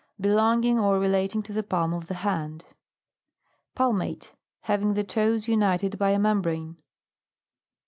Belonging or relating to the palm of the hand. PALMATE. Having the toes united by a membrane.